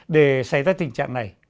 để xảy ra tình trạng này